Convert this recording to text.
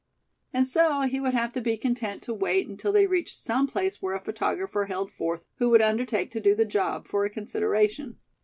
And so he would have to be content to wait until they reached some place where a photographer held forth, who would undertake to do the job, for a consideration.